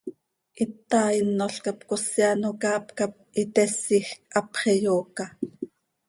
Hita hinol cap cosi ano caap cap itésijc, hapx iyooca.